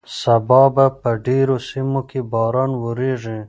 سبا به په ډېرو سیمو کې باران وورېږي.